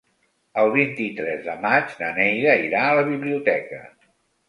El vint-i-tres de maig na Neida irà a la biblioteca.